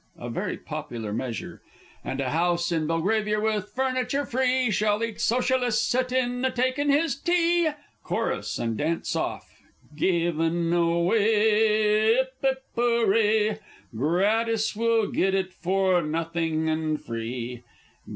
[A very popular measure. And a house in Belgraveyer, with furniture free, Shall each Soshalist sit in, a taking his tea! Chorus, and dance off. Given away! Ippipooray! Gratis we'll get it for nothing and free!